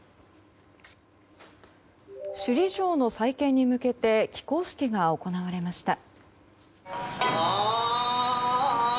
首里城の再建に向けて起工式が行われました。